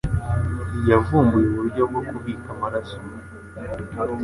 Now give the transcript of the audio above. yavumbuye uburyo bwo kubika amaraso